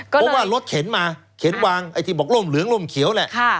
เพราะว่ารถเข็นมาเข็นวางไอ้ที่บอกร่มเหลืองร่มเขียวแหละ